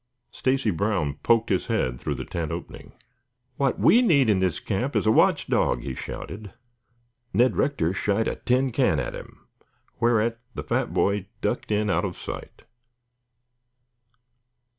Stacy Brown poked his head through the tent opening. "What we need in this camp is a watch dog," he shouted. Ned Rector shied a tin can at him, whereat the fat boy ducked in out of sight.